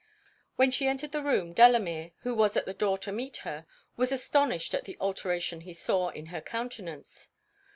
When she entered the room, Delamere, who was at the door to meet her, was astonished at the alteration he saw in her countenance.